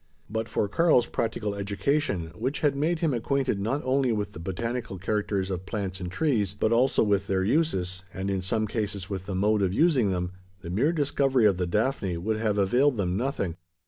But for Karl's practical education which had made him acquainted not only with the botanical characters of plants and trees, but also with their uses and in some cases with the mode of using them the mere discovery of the daphne would have availed them nothing.